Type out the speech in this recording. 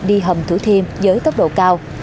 đi hầm thử thiêm với tốc độ cao